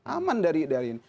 aman dari ini